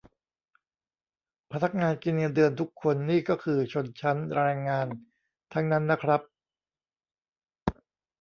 พนักงานกินเงินเดือนทุกคนนี่ก็คือชนชั้นแรงงานทั้งนั้นนะครับ